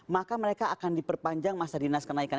maka mereka akan diperpanjang masa dinas kenaikan